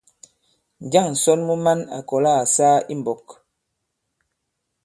Njâŋ ǹsɔn mu man à kɔ̀la à saa i mbɔk?